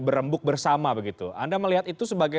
berembuk bersama begitu anda melihat itu sebagai